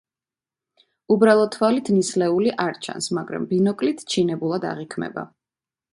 უბრალო თვალით ნისლეული არ ჩანს, მაგრამ ბინოკლით ჩინებულად აღიქმება.